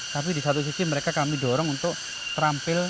tapi di satu sisi mereka kami dorong untuk terampil